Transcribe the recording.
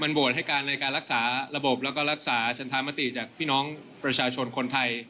โหวตให้การในการรักษาระบบแล้วก็รักษาชันธรรมติจากพี่น้องประชาชนคนไทย